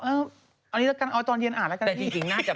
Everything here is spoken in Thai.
เอานี้ล่ะกันเอาตอนเย็นอ่านแหละกันพี่